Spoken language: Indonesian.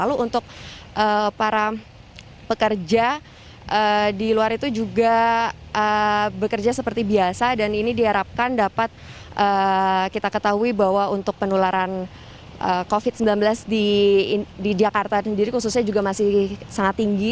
lalu untuk para pekerja di luar itu juga bekerja seperti biasa dan ini diharapkan dapat kita ketahui bahwa untuk penularan covid sembilan belas di jakarta sendiri khususnya juga masih sangat tinggi